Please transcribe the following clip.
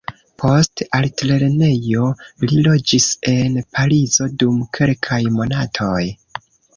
Post altlernejo, li loĝis en Parizo dum kelkaj monatoj.